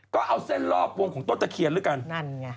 ก็เอาเส้นรอบวงของต้นตะเคียนละกัน